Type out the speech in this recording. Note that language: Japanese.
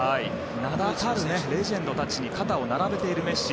名だたるレジェンドたちに肩を並べているメッシ。